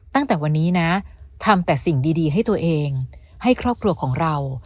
ตั้งแต่วันนี้นะทำแต่สิ่งดีให้ตัวเองให้ครอบครัวของเรา